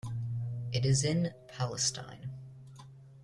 It is in Palestine.